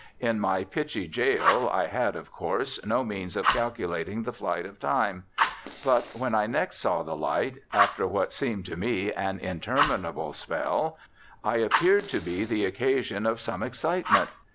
In my pitchy gaol I had, of course, no means of calculating the flight of time, but when I next saw the light, after what seemed to me an interminable spell, I appeared to be the occasion of some excitement.